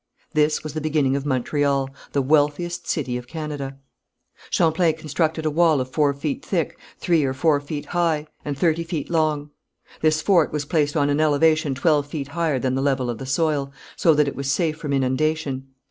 This was the beginning of Montreal, the wealthiest city of Canada. Champlain constructed a wall four feet thick, three or four feet high, and thirty feet long. This fort was placed on an elevation twelve feet higher than the level of the soil, so that it was safe from inundation.